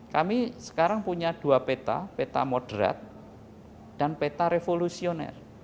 kami sekarang punya dua peta peta moderat dan peta revolusioner